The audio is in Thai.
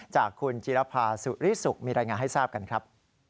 จากคุณจิรภาสุริสุขมีรายงานให้ทราบกันครับ